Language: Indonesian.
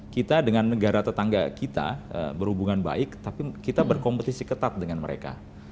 kita dengan negara tetangga kita berhubungan baik tapi kita berkompetisi ketat dengan mereka